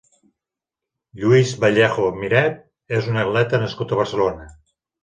Lluis Vallejo Miret és un atleta nascut a Barcelona.